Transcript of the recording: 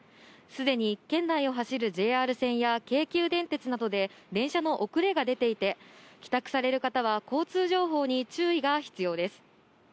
すでに県内を走るＪＲ線や京急電鉄などで、電車の遅れが出ていて、帰宅される方は交通情報に注意が必要です。